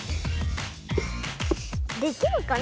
できるかな？